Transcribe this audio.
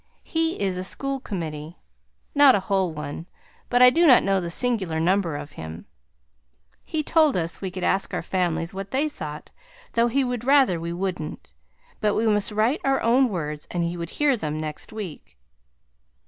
He is a School Committee; not a whole one but I do not know the singular number of him. He told us we could ask our families what they thought, though he would rather we wouldn't, but we must write our own words and he would hear them next week.